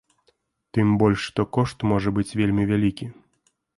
Тым больш, што кошт можа быць вельмі вялікі.